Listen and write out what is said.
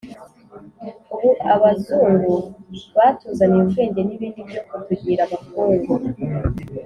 ubu abazungu batuzaniye ubwenge n’ibindi byo kutugira abakungu.